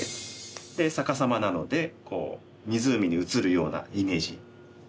で逆さまなので湖に映るようなイメージ。